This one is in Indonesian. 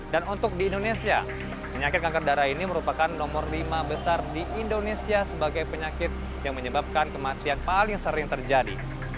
dan untuk di indonesia penyakit kanker darah ini merupakan nomor lima besar di indonesia sebagai penyakit yang menyebabkan kematian paling sering terjadi